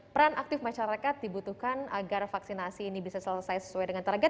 peran aktif masyarakat dibutuhkan agar vaksinasi ini bisa selesai sesuai dengan target